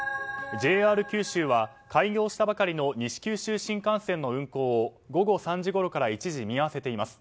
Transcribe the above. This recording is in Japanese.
ＪＲ九州は開業したばかりの西九州新幹線の運行を午後３時ごろから一時見合わせています。